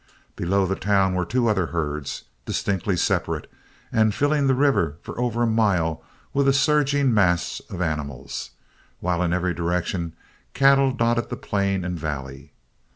Below the town were two other herds, distinctly separate and filling the river for over a mile with a surging mass of animals, while in every direction cattle dotted the plain and valley.